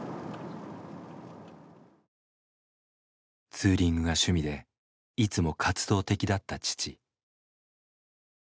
ツーリングが趣味でいつも活動的だった父。